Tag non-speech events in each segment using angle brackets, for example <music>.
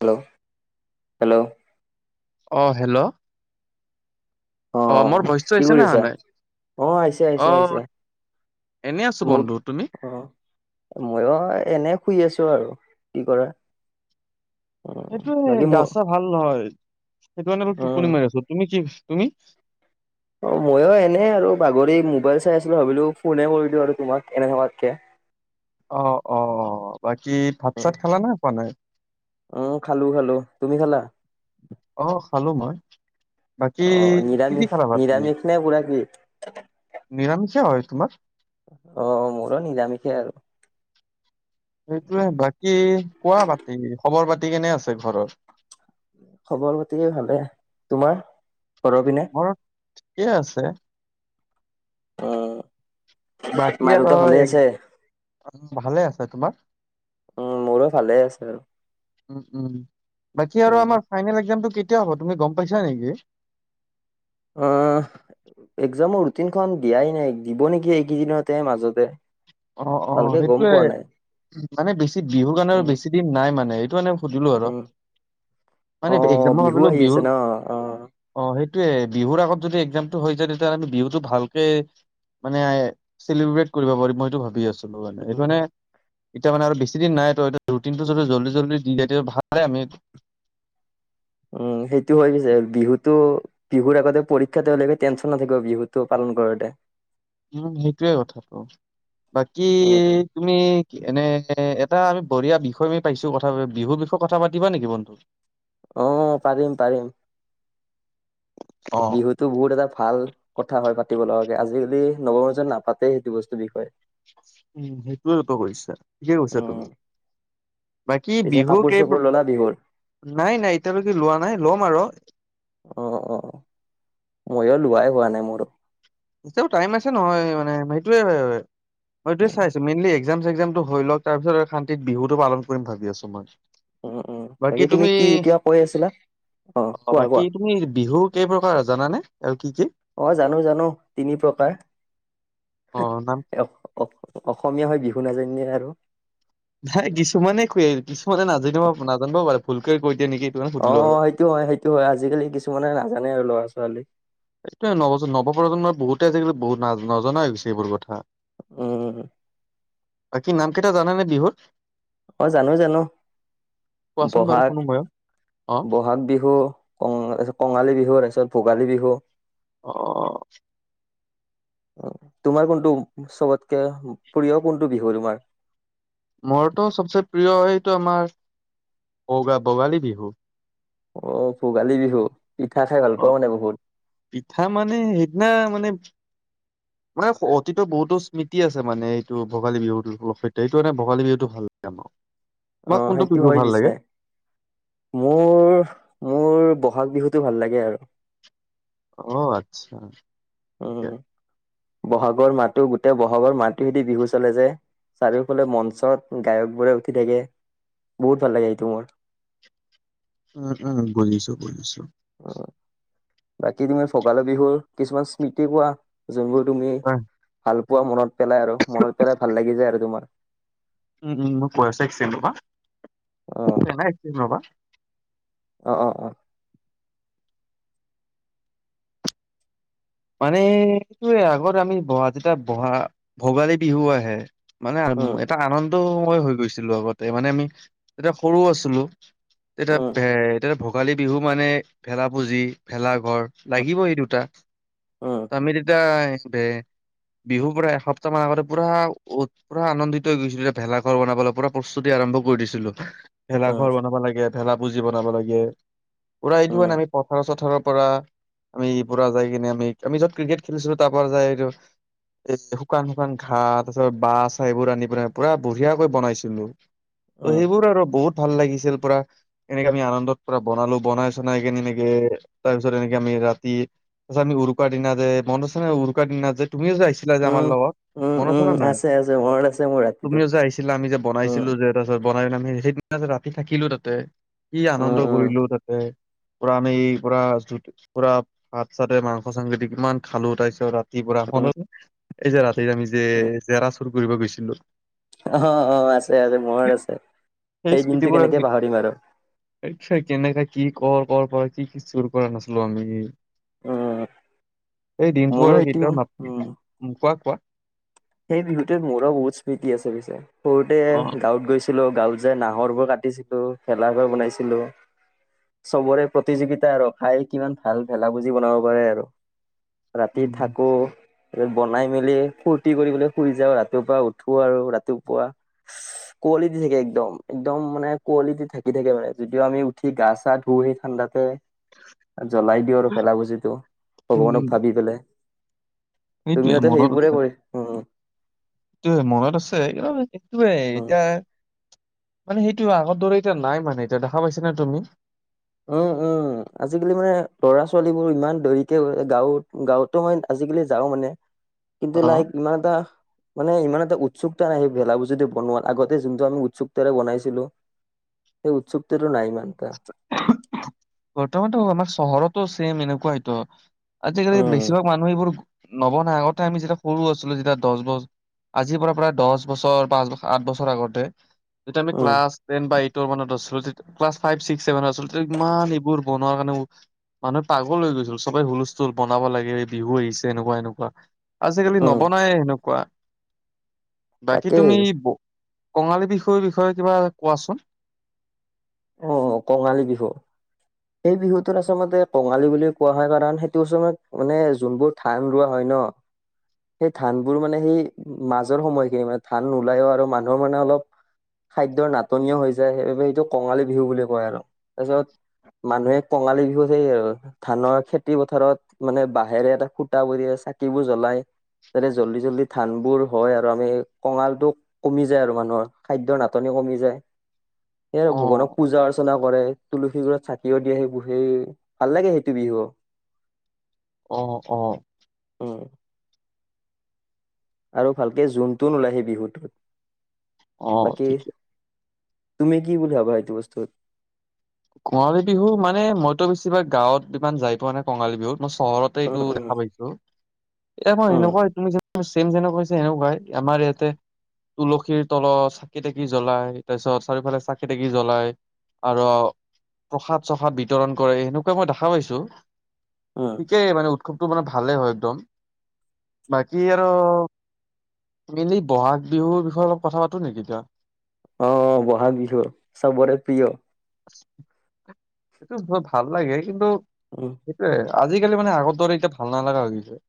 Hello hello. অ', hello. অ' মোৰ ভইচটো কি আহিছে নে, আহা কৰিছা নাই? অ আহিছে আহিছে আহিছে এনেই আছোঁ বন্ধু, তুমি? ময়ো এনে শুই আছো আৰু, কি কৰা। উম সেইটোয়ে বাকী গা মোৰ চা ভাল নহয়, সেইটো কাৰণে অলপ উম টোপনি মাৰি আছো তুমি কি, তুমি অ' ময়ো এনেই আৰু বাগৰি মোবাইল চাই আছিলো ভাবিলো ফোনে কৰি দিও আৰু তোমাক এনে থকাতকে। অ', অ', অ' বাকী ভাত উম চাত খালা নে খোৱা নাই? উম খালো খালো, তুমি খালা? অ' খালো মই, বাকী অ কি কি নিৰামিষ খালা ভাত তুমি? <unintelligible> নিৰাামিষে হয় তোমাৰ। অ' মোৰো নিৰামিষে আৰু। সেইটোয়ে বাকী কোৱা পাতি খবৰ পাতি কেনে আছে ঘৰত? খবৰ পাতি ভালে, তোমাৰ ঘৰৰ পিনে? ঘৰত, ঠিকে আছে। বাকী অ' মা আৰু দেউতাৰ ভালে আছে? ভালে আছে, তোমাৰ? উম মোৰো ভালে আছে। উম উম, বাকী আৰু উম আমাৰ ফাইনেল এক্জামটো কেতিয়া হ'ব তুমি গম পাইছা নেকি? অ' এক্জামৰ ৰুটিনখন দিয়াই নাই দিব নেকি এইকেইদিনতে মাজতে। অ' অ' ভালকে গম সেইটো পোৱা নাই মানে বেছি বিহু গানে আৰু উম বেছি দিন নাই মানে সেইটো মানে সুধিলো আৰু, উম মানে অ এক্জাম ভাবিলো আহি বিহু আছে ন অ অ' সেইটোয়ে বিহুৰ আগত যদি এক্জামটো হৈ যায় তেতিয়াহ'লে আমি বিহুতটো ভালক মানে চেলিব্ৰেট কৰিব পাৰি মই এইটো ভাবি আছিলো মানে সেইটো উম মানে এতিয়া মানে আৰু বেছি দিন নাই তো ৰুটিনটো যদিল্দি জল্দি দি য তে ভালেই আমি উম সেইটো হৈ গৈছে, বিহুতো বিহুৰ আগতে পৰীক্ষা তেওঁলেে টেন্যন নথাকিব বিহুটো পালন কৰোঁতে। উম সেইটোৱে কথাটো, বাকী উম তুমি এনে এটা আমি বঢিয়া বিয়ষ পাইছো, কথাতি বিহুৰ বিষয়ে কথা পাতিা নেকি বন্ধু? অ' পাৰিম পাৰিম। অ বিহুতো বহুত এটা ভাল কথা হয়, পাতিব লগাে, আজিকালি নগ মানুহজন নাপাতেই সেইটো বস্তুৰ বিষয়ে। উম সেইটোয়ে কৰিছা িকে কৈছা উম তুমি। বাকী পিছে বিহু কাপোৰ চাপোৰ কেইবোৰ, ললা বিহুৰ নাই নাই এতিয়ালৈকে লোৱা নাই ল'ম আৰু। অ' অ' ময়ো লোৱাই হোৱা নাই মোৰো টাইম আছে নহয় মানে সেইটোৱে মইটয়ে চাইছো মেইনলি এক্াম চেগ্জাম টো হৈ লওক তাৰ পিছত শান্তিত বিহুটো পালন কৰিম ভাবি আছো মই। উম উম বাকী বাকি তুমি কি কিবা কৈ আছিলা অ' কোৱা কোৱা বাকী তুমি বিহু কেই প্ৰকাৰ জানানে, আৰু কি কি? অ' জানো জানো তিনি প্ৰকাৰ। অ নাম অ' অসমীয়া হয়, বিহু নাজানীয়ে আৰু নাই কিছুমানে কিছুমানে নাজানিব নাজানিবও পাৰেু ভুলকে কৈ দিয়ে নেকি। কাৰণে সুধিলো অ' আৰু। অ' সেইটো হয়, সেইটো হয় আজিকালি কিছুমানে নাজানে আৰু ল'ৰা ছোৱালী। এইয় নৱ নৱপ্ৰজন্মৰ বহুতেই আজিকালি বহুত ন নজনা হৈ গৈছে এইবোৰ কথা। উম। বাকী নাম কেইটা জানে বিহুৰ? অ' জানো জানো, কোৱাচোন বাৰু বহাগ, শুনো ময়ো অ বহাগ বিহু। ক তাৰপিছত কঙালী বিহু, তাৰ পিছত ভোগালী বিহু। অ'। তোমাৰ কোনটো চবতকে প্ৰিয় কোনটো বিহু তোমাৰ? মোৰৰতো চবচে প্ৰিয় এইটো আমাৰ বগা ভোগালী বিহু। অ' ভোগালী বিহু পিঠা খাই ভাল অ পাওঁ মানে বহুত। পিঠা মানে সেইদিনা মানে। <unintelligible> মানে অতীত বহুতো স্মৃতি আছে মানে, এইটো ভোগালী বিহুত সৈতে এইটো কাৰানে ভোগালী বিহুটো ভাল লাগে আমাৰ। অ', তোমাক কোনটো সেইটো বিহু হয় ভাল পিছে। লাগে? মোৰ, মোৰ বহাগ বিহুতটো ভাল লাগে আৰু। অ', আচ্ছা। ঠিকে উম, বহাগৰ মাহটো গোটেই বহাগৰ মাহটো বিহু চলে যে। চাৰিওফালে মঞ্চত গায়ক বোৰে উঠি থাকে বহুত ভাল লাগে সেইটো মোৰ। উম, উম, বুজিছোঁ, বুজিছোঁ। উম, বাকী তুমি ভোগালী বিহুৰ কিছুমান স্মৃতি কোৱা? যোনবোৰ তুমি হয়, ভাল পোৱা মনত পেলাই আৰু মনত পেলাই ভাল লাগি যায় আৰু তোমাৰ। উম, উম মই কৈ আছোঁ, এক্সেকং ৰবা অ নাই ৰবা। অ', অ', অ'। মানে এইটোয়ে আগত আমি বহা যেতিয়া বহা ভোগালী বিহু আহে। মানে উম এটা আনন্দময় হৈ গৈছিলোঁ আগতে মানে আমি এতিয়া সৰুও আছিলোঁ। এতিয়া উম ভে তেতিয়া ভোগালী বিহু মানে ভেলা পুজি, ভেলা ঘৰ লাগিব এই দুটা। উম। আমি তেতিয়া বিহু পুৰা এসপ্তাহ মান আগতে পুৰা ভু পুৰা আনন্দিত হৈ গৈছিলোঁ যে ভেলাঘৰ বনাবলৈ পুৰা প্ৰস্তুতি আৰম্ভ কৰি দিছিলোঁ। উম ভেলাঘৰ বনাব লাগে, ভেলা পুঁজি বনাব লাগে। পূৰা এইটো উম কাৰানে আমি পথাৰৰ চথাৰৰ পৰা আমি পুৰা যাই কিনে। আমি য'ত ক্ৰিকেট খেলিছিলোঁ তাৰ পৰা যাই এইটো। এ, শুকান, শুকান ঘাঁ তাৰপিছত বাহ ছা সেইবোৰ আনি পনে পুৰা বঢ়িয়াকৈ বনাইছিলোঁ। ত' উম সেইবোৰ আৰু বহুত ভাল লাগিছিল পুৰা। এনেকে আমি আনন্দত পুৰা বনালোঁ বনাই চনাই কেনে এনেকে তাৰ পিছত এনেকে আমি ৰাত। তাৰপিছত আমি উৰুকা দিনা যে মনত আছে নে উৰুকা দিনাজে, তুমি যে আহিছিল আ যে আমাৰ উম লগত। উম মনত উম আছেনে নাই? আছে আছে মনত আছে মোৰ ৰাতিটো তুমিও যে আহিছিলা আমি যে উম বনাইছিলোঁ যে। তাৰপিছত বনাই প আমি সেইদিনা ৰাতি থাকিলোঁ তাতে কি উম আনন্দ উম কৰিলোঁ তাতে। পুৰা আমি পুৰা, পুৰা ভাত চা মাংস চাংসদি কিমান খালো তাৰপিছত তা উম ৰাতিপুৱা এই যে ৰাতিত আমি যে উম, জেৰা চুৰ কৰিব গৈছিলোঁ। অ', অ'আছে, আছে মৰত আছে সেই দিনটো কেনেকে পাহৰিম আৰু। এইয় কেনেকা কি কৰ, কৰ পৰা কি, কি চুৰ কৰা নাছিলোঁ আমি। অ'। এই দিনটো আৰু কেতিয়াও উম ন কোৱা, কোৱা। সেই বিহুতৰ মোৰো বহুত স্মৃতি আছে পিছে সৰুতে অ গাঁৱত গৈছোঁ। ছিলো গাঁওত যাই নাহৰবোৰ কাটিছিলোঁ ভেলা ঘৰ বনাইছিলোঁ। চবৰে প্ৰতিযোগিতা আৰু খাই কিমান ভাল ভেলা ভুজি বনাব পাৰে আৰু। ৰাতি উম থাকোঁ তাৰপিছত বনাই মেলি ফুত ফূৰ্তি কৰিবলৈ শুই যাওঁ ৰাতিপুৱা উঠো আৰু ৰাতিপুৱা। কোৱালি দি থাকে একদম, একদম মানে কোৱালি দি ঢাকি থাকি থাকে মানে যদিও আমি উঠি উঠি গা চা ধুও সি ঠাণ্ডাতে। জ্বলাই দিওঁ আৰু ভেলাপুজিটো ভগৱানক উম ভাবি পেলাই। সেইটোয়ে তুমিওতো সেইবোৰে কৰি উম। এইটো মনত আছে কি এতুয়ে উম এতিয়া। মানে সেইটো আগৰ দৰে এতিয়া নাই মানে এতিয়া দেখা পাইছা না তুমি। উম, উম। আজিকালি মানে ল'ৰা ছোৱালী বোৰ ইমান দেৰিকে গাঁৱত গাঁওতো মই আজিকালি যাওঁ মানে। অ কিন্তু নাই ইমান এটা। মানে ইমান এটা উৎসুকতা সেই ভেলা পূজিটো বনোৱাত আগতে যোনটো আমি উৎসুকতাৰে বনাইছিলোঁ। সেই উৎসুক্তৰ নাই মানে। বৰ্তমানতো আমাৰ চহৰতো ছেম এনেকুৱাইতো। আজিকালি উম, বেছিভাগ মানুহ এইবোৰ নবনাই আগতে আমি যেতিয়া সৰু আছিলোঁ যেতিয়া দহ বছ আজিৰ পৰা প্ৰায় দহ বছৰ পাঁচ ব আঠ বছৰ আগতে, যেতিয়া আমি উম, ক্লাছ টেন বা এইট মানত আছিলো ক্লাছ ফাইভ ছিক্স ছেভেনত আছিলোঁ ইমান বোৰ বনোৱাৰ কাৰণে মানুহে পাগ লৈ গৈছিল সবেই হুলস্থুল বনাব লাগে বিহু আহিছে এনেকুৱা এনেকুৱা। আজিকালি উম, নবনায় সেনেকুৱা। বাকী তাকেই তুমি কঙালী বিষয় বিষয়ে কিবা কোৱাচোন। অ, কঙালী বিহু। এই বিহুটোত আচলতে কঙালী বুলি কোৱা হয় কাৰণ সেইটো আচলতে মানে যোনবোৰ ধান ৰোৱা হয় ন, সেই ধানবোৰ মানে সেই মাজৰ সময়খিনি মানে ধান নোলাইও আৰু মানুহৰ মানে অলপ খাদ্যৰ নাটনিয় হৈ যায় সেইবাবে এইটো কঙালী বিহু বুলি কয় আৰু, তাৰপিছত মানুহে কঙালী বিহু চাই আৰু ধানৰ খেতি পথাৰত মানে বাঁহেৰে এটা সুত কৰি চাকিবোৰ জ্বলাই। যোনে জল্দি জল্দি ধানবোৰ হয় আৰু আমি কঙালটোক কমি যায় আৰু মানুহৰ খাদ্যয়ৰ নাটনি কমি যায়। ই অ ভগৱানক পূজা অৰ্চনা কৰে তুলসী গত চাকি কিয় দিয়া সেইোৰ সেই ভাল লাগে সেইটো বিহু। অ, অ, আহ, আৰু ভালকে যোনটোন ওলাই আহি বিহুত। অ বাকী ঠিকে তুমি কি বুলি ভাবা এইটো বস্তুত? কঙালী বিহু মানে মইতো বেছিভাগ গাঁৱত ইমান যাই পোৱা নাই কঙালী বিহুত মই চহৰত তে উম এইটো উম দেখা পাইছোঁ। এ মই উম সেনেকুৱা তুমি চছেম যেনেকুৱা হৈছে সেনেকুৱাই আমাৰ ইয়াতে, তুলসীৰ তলত চাকি তাকি জ্বলাই তাৰপিছত চাৰিওফালে চাকি তাকি জ্বলাই। আৰু প্ৰসাদ চসাদ বিতৰণ কৰে সেনেকুৱা মই দেখা পাইছোঁ উম ঠিকেই মানে উৎসৱ মানে ভালেই হয় একদম। বাকী আৰু মেইন এই বহাগ বিহুৰ বিষয়ে অলপ কথা পাতো নেকি এতিয়া? অ, বহাগ বিহু চবৰে প্ৰিয়। <unintelligible> এইটো ভাল লাগে কিন্তু অ, সেইটোৱে আজিকালি মানে আগৰ দৰে এতিয়া ভাল নালগা হৈ গৈছে।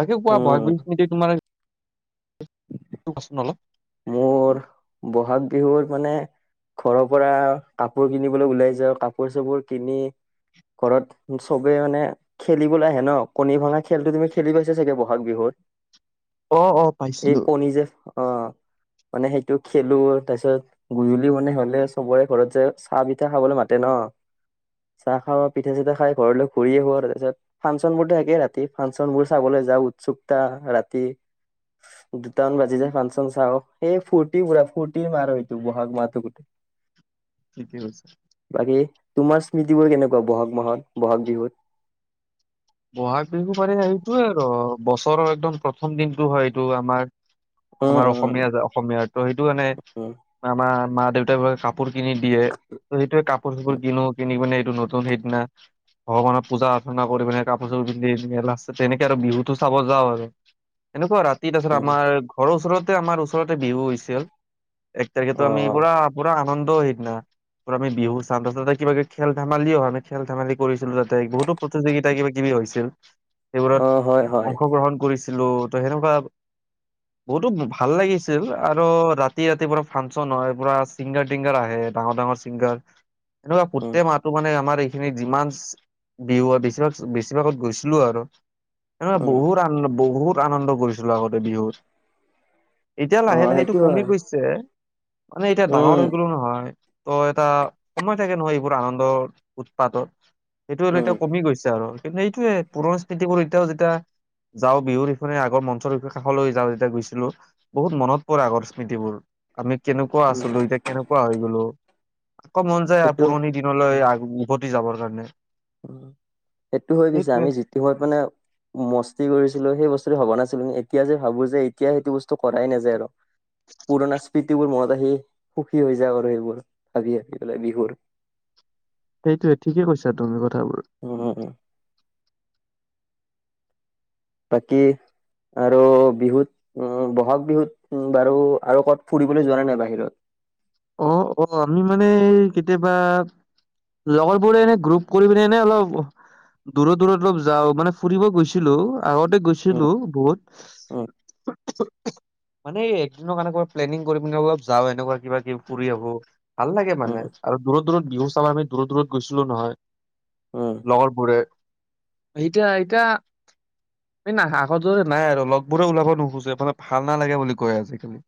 তাকে কোৱা বয়াগ বি উম মিনিট তোমাৰ কোৱাচোন অলপ। মোৰ বহাগ বিহুৰত মানে ঘৰৰ পৰা কাপোৰ কিনিবলৈ ওলাই যাওঁ কাপোৰ চাপোৰ কিনি ঘৰত চবে মানে খেলিবলৈ আহে ন, কণী ভঙা খেলো তুমি খেলি পাইছা চাগে বহাগ বিহুত? অ', অ', এই পাইছিলো কণী যে অ মানে সেইটো খেলোঁ তাৰপিছত গধূলি মাননে হলে চবৰে ঘৰত যে চাহ পিঠা খাবলৈ মাতে ন, চাহ খাওঁ পিঠা চিঠা খাই ঘৰলৈ <inaudible> তাৰ পিছত ফাংচন বোৰো থাকেই ৰাতি ফাংচন বোৰ চাবলৈ যাওঁ উৎসুকতা ৰাতি। দুটাামান বাজি যায় ফাংচন চাও। এই ফূৰ্তি পুৰা ফূৰ্তি মাহ এইটো বহাগ মাহটো গোটেই। ঠিকেই কৈছে। বাকী তোমাৰ স্মৃতি বোৰ কেনেকুৱা বহাগ মাহত বহাগ বিহুত? বহাগ বিহু পাৰে এইেটোয়ে আৰু বছৰৰ একদম প্ৰথম দিনটো হয় এইটো আমাৰ উম আমাৰ অসমীয়া উম অসমীয়াৰ ত সেইটো মানে আমাৰ মা দেউতাৰ কাপ কাপোৰ কিনি দিয়ে ত সেইটোৱে কাপোৰ চাপোৰ উম কিনো কিনি কিনে এইটো নতু সেইদিনা ভগৱানত পূজা অৰ্চনা কৰি পিনে কাপোৰ চাপোৰ পিন্ধি মেলাছে তেনেকে আৰু বিহুতো চাব যাওঁ আৰু এনেকুৱা আৰু তাৰপাছত উম উম আমাৰ ঘৰৰওচৰতে আমাৰ ওচৰতে বিহু হৈছিল এক তাৰিখেতো আমি পুৰা অ পুৰা আনন্দ হিতনা আমি বিহু চাওতে চাওতে বা খেল ধেমালও হয় আমি খেল ধেমালি কৰিছিলো তাতে বহুতো প্ৰতিযোগিতা কিবা জৱ হৈছিল অ সেইবোৰত হয় হয় অংশগ্ৰহণ কৰিছিলো ত' সেনেকুৱা <inaudible> বহুতো ভাল লাগিছিল আৰু ৰাতি ৰাতি পুৰা ফাংচন হয় পুৰা চিংগাৰ টিংগাৰ আহে ডাঙৰ ডাঙৰ এনেকুৱা ফুট উম মাহটো মানে আমাৰ এইখিনিত যিমান বিহু হয় বেছিভাগ বেছিভাগত গৈছিলো আৰু এনেুৱা উম বহুত ুত আ বহুত আনন্দ কৰিছিলো আগতে বিহুত এতিয়া অ লাহে লাহেতটো সেইটো কমি হয় গৈছিল মানে এতিয়া ডাঙৰ উম হৈ এইো নহয় ত' এটা সময় থাকে নহয় এইবোৰ আনন্দৰ উৎপাতৰ সেইটো হ এতিয়া উম কমি গৈছে আৰু কিন্তু এইটোোৱে পুৰস্কৃতিবোৰ এতিয়াও যেতিয়া যাওঁ বিহুৰ ইখনে আগৰ মঞ্চৰ বিষয়ে কাষলৈ যাওঁ যেতিয়া গৈছিলো বহুত মনত পৰে আগৰ স্মৃতিবোৰ আমি কেনেকুৱা উম আছিলো এতিয়া কেনেকুৱা হৈ গলো আকৌ মন যায় সেইটো পুৰণি দিনলৈ উভতি যাবৰ কাৰণে সেইটো হৈ পিছে সেইটোৱে আমি যিটো হত মানে মস্তি কৰিছিলো সেই বস্তু ভবা নাছিলো কি এতিয়া যে ভাবো যে এতিয়া সেইটো বস্তু কৰাই নাযায় আৰু পুৰণা স্মৃতিবোৰ মনত আহি সুখী হৈ যাওঁ আৰু সেইবোৰ ভাবি ভাবি পেলাই বিহুৰ সেইটোয়ে ঠিকেই কৈছা তুমি কথাবোৰ উ অ উ তাকী আৰু বিহুত উ বহাগ বিহুত উ বাৰু আৰু ক'ত ফুৰিবলৈ যোৱা নাই বাহিৰত অ অ আমি মানে কেতিয়াবা লগৰ বোৰে এনে গ্ৰুপ কৰি পিনে এনে অলপ দূৰত দূৰত অলপ যাও মানে ফুৰিব গৈছিলো আগতে উম, গৈছিলো উম, বহুত মানে এই একদিনৰনেকুৱা প্লেনিং পি যা এনেকুৱা কিবা কিব ফুৰি আহো ভাল লাগে উম, মানে আৰু দূৰত দূৰত বিহু চাব আমি দূৰত দূৰত গৈছিলো নহয় উম, লগৰবোৰে এতিয়া এতিয়া এই ন আগত যোৰে নাই আৰু লগবোৰে ওলাব নোখোজে মানে ভাল নালাগে বুলি কয় আজিকালি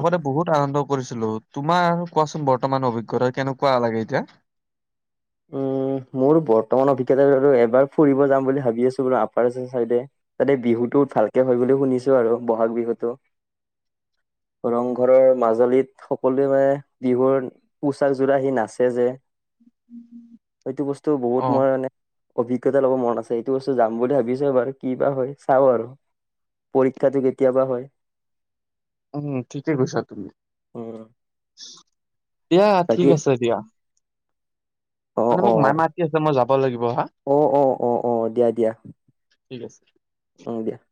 আগতে বহুত আনন্দ কৰিছিলো তোমাৰ কোৱাচোন বৰ্তমান অভিজ্ঞতা কেনেকুৱা লাগে এতিয়া উ মোৰ বৰ্তমান অভিজ্ঞতা এবাৰ ফুৰিব যাম বুলি ভাবি আছো বাৰু আপাৰছে চাইে তাতে বিহুতটো ভালকে হয় বুলিও শুনিছো আৰু বহাগ বিহুতটো ৰংঘৰৰ মাজুলীত সকলোৱে মানে বিহুৰ পোচাকযোৰা সি নাচছে যে উম হুম সেইটো বস্তু বহুত মই মানে অভিজ্ঞতা ল'ব মন আছে এইটো বস্তু যাম বুলি ভাবিছো বাৰু কিবা হয় চাওঁ আৰু পৰীক্ষাটো কেতিয়াবা হয় উম ঠিকে কৈছা তুমি উম, দিয়া ঠিক বাকী আছে দিয়া অ', মানে অ', মোক মাইে অ', মাতি আছে মই যাব লাগিব হা অ', অ', অ দিয়া দিয়া ঠিক আছে। অ দিয়া